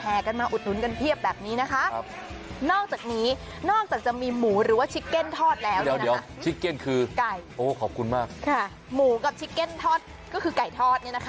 หมูกับชิกเก้นทอดตกว่าไก่ทอด